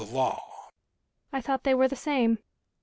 "I thought they were the same."